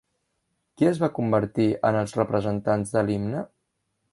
Qui es van convertir en els representants de l'himne?